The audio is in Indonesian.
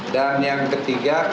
dan yang ketiga